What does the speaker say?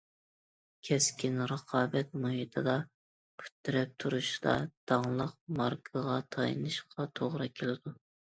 كەسكىن رىقابەت مۇھىتىدا پۇت تىرەپ تۇرۇشتا داڭلىق ماركىغا تايىنىشقا توغرا كېلىدۇ.